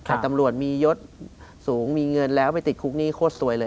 แต่ตำรวจมียศสูงมีเงินแล้วไปติดคุกหนี้โคตรสวยเลย